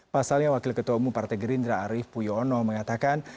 pasalnya wakil ketua umum partai gerindra arief puyono mengatakan